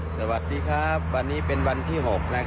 สวัสดีครับวันนี้เป็นวันที่๖นะครับ